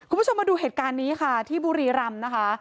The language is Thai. คุณผู้ชมมาดูเหตุการณ์นี้ค่ะที่บุรีรำนะคะ